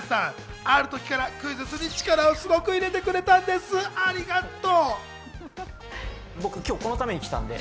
ある時からクイズッスに力をすごく入れてくれたんです、ありがとう。